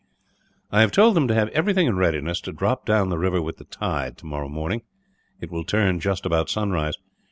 "I have told them to have everything in readiness to drop down the river with the tide, tomorrow morning. It will turn just about sunrise.